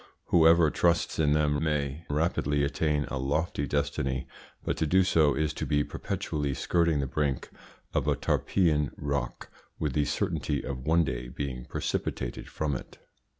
Whoever trusts in them may rapidly attain a lofty destiny, but to do so is to be perpetually skirting the brink of a Tarpeian rock, with the certainty of one day being precipitated from it.